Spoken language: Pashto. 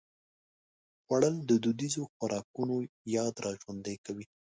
خوړل د دودیزو خوراکونو یاد راژوندي کوي